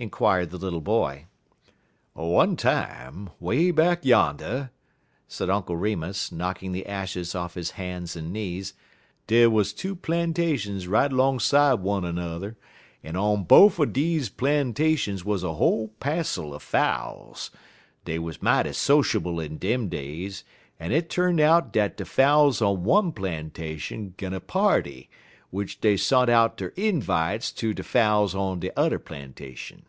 inquired the little boy. "One time, 'way back yander," said Uncle Remus, knocking the ashes off his hands and knees, "dey wuz two plan'ations right 'longside one er 'ne'r, en on bofe er deze plan'ations wuz a whole passel of fowls. Dey wuz mighty sociable in dem days, en it tu'n out dat de fowls on one plan'ation gun a party, w'ich dey sont out der invites ter de fowls on de 't'er plan'ation.